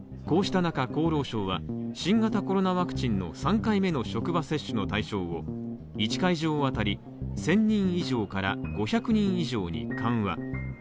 こうした中、厚労省は新型コロナワクチンの３回目の職場接種の対象を１会場当たり１０００人以上から５００人以上に緩和。